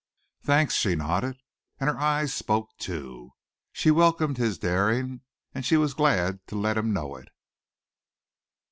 "Thanks," she nodded, and her eyes spoke too. She welcomed his daring and she was glad to let him know it.